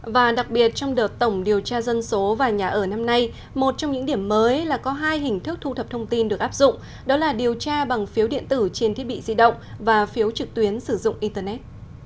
và đặc biệt trong đợt tổng điều tra dân số và nhà ở năm nay một trong những điểm mới là có hai hình thức thu thập thông tin được áp dụng đó là điều tra bằng phiếu điện tử trên thiết bị di động và phiếu trực tuyến sử dụng internet